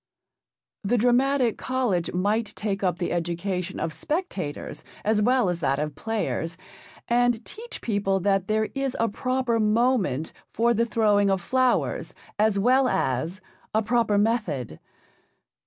The Dramatic College might take up the education of spectators as well as that of players, and teach people that there is a proper moment for the throwing of flowers as well as a proper method.